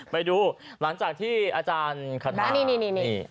ไปดูหลังจากที่อาจารย์คณะนี่